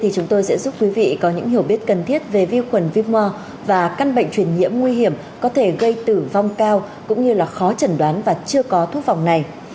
các bệnh truyền nhiễm nguy hiểm có thể gây tử vong cao cũng như là khó chẩn đoán và chưa có thuốc vòng này